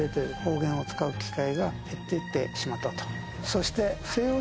そして。